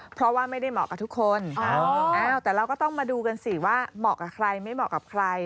เพราะว่าไม่ได้เหมาะกับทุกคนแต่เราก็ต้องมาดูกันสิว่าเหมาะกับใครไม่เหมาะกับใคร